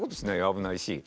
危ないし。